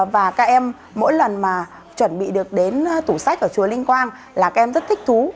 và chuẩn bị được đến tủ sách ở chùa linh quang là các em rất thích thú